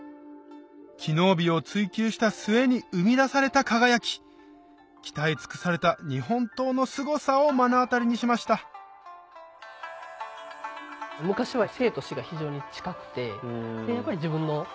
機能美を追求した末に生み出された輝き鍛え尽くされた日本刀のすごさを目の当たりにしましたなるほどね。